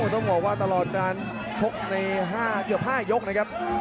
ต้องบอกว่าตลอดการชกใน๕เกือบ๕ยกนะครับ